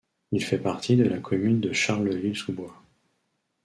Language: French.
Il fait partie de la commune de Charleville-sous-Bois.